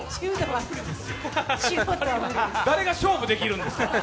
誰が勝負できるんですか。